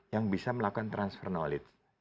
yang bisa melakukan transfer knowledge